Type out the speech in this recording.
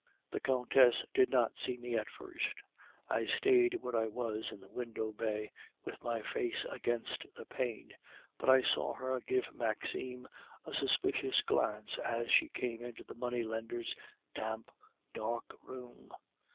"The Countess did not see me at first; I stayed where I was in the window bay, with my face against the pane; but I saw her give Maxime a suspicious glance as she came into the money lender's damp, dark room.